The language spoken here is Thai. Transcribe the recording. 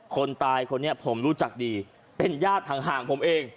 คนตายคนนี้ผมรู้จักดีเป็นญาติห่างผมเอง